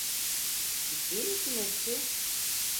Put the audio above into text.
Ciddi misiniz siz?